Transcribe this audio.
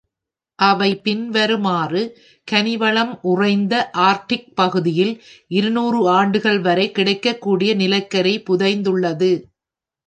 அவை பின்வருமாறு கனிவளம் உறைந்த ஆர்க்டிக் பகுதியில் இருநூறு ஆண்டுகள் வரை கிடைக்கக்கூடிய நிலக்கரி புதைந்துள்ளது.